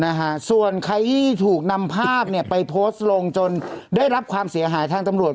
นะฮะส่วนใครที่ถูกนำภาพเนี่ยไปโพสต์ลงจนได้รับความเสียหายทางตำรวจ